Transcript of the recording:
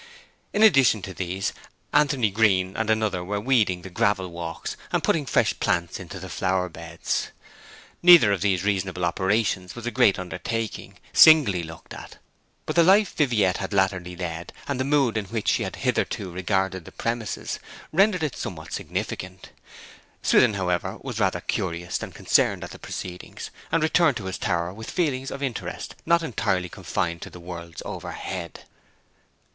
In addition to these, Anthony Green and another were weeding the gravel walks, and putting fresh plants into the flower beds. Neither of these reasonable operations was a great undertaking, singly looked at; but the life Viviette had latterly led and the mood in which she had hitherto regarded the premises, rendered it somewhat significant. Swithin, however, was rather curious than concerned at the proceedings, and returned to his tower with feelings of interest not entirely confined to the worlds overhead.